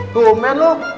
tuh men lo